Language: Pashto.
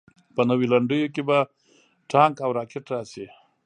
په نویو لنډیو کې به ټانک او راکټ راشي.